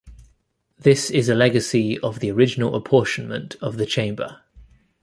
This is a legacy of the original apportionment of the chamber.